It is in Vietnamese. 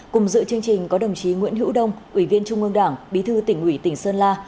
cùng dự chương trình có đồng chí nguyễn hữu đông ủy viên trung ương đảng bí thư tỉnh ủy tỉnh sơn la